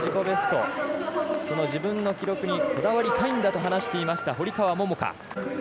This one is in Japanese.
ベスト自分の記録にこだわりたいんだと話していました堀川桃香。